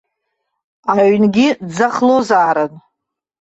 Аҩнгьы дӡахлозаарын.